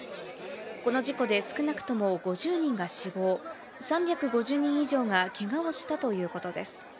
この事故で少なくとも５０人が死亡、３５０人以上がけがをしたということです。